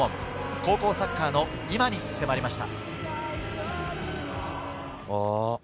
高校サッカーの今に迫りました。